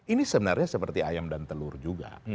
ini sebenarnya seperti ayam dan telur juga